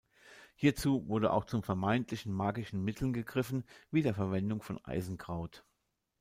Hierzu wurde auch zu vermeintlich magischen Mitteln gegriffen, wie der Verwendung von Eisenkraut.